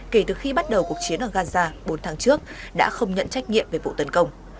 kể từ khi bắt đầu cuộc chiến ở gaza bốn tháng trước đã không nhận trách nhiệm về vụ tấn công